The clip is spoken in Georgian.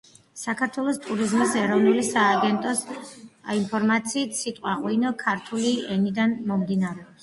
საქართველოს ტურიზმის ეროვნული სააგენტოს ინფორმაციით, სიტყვა „ღვინო“ ქართული ენიდან მომდინარეობს.